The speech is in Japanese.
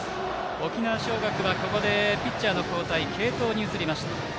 沖縄尚学はピッチャーの交代継投に移りました。